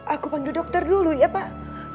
aku panggil dokter dulu ya pak